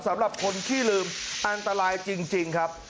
สำหรับคนขี้ลืมอันตรายจริงครับ